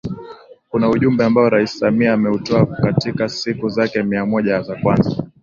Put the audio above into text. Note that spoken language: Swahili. Kuna ujumbe ambao Rais Samia ameutoa katika siku zake mia moja za kwanza